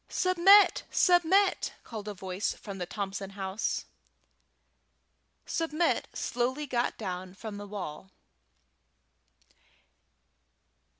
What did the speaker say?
"Submit! Submit!" called a voice from the Thompson house. Submit slowly got down from the wall.